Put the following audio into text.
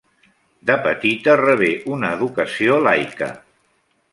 De petita rebé una educació laica.